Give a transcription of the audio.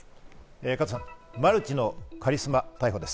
加藤さん、マルチのカリスマが逮捕です。